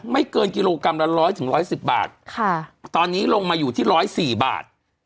ไม่เกินกิโลกรัมละร้อยถึงร้อยสิบบาทค่ะตอนนี้ลงมาอยู่ที่ร้อยสี่บาท